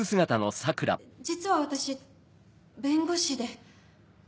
実は私弁護士で。